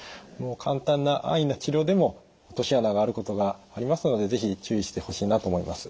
簡単な安易な治療でも落とし穴があることがありますので是非注意してほしいなと思います。